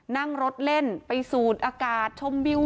นั่งรถเล่นไปสูดอากาศชมวิว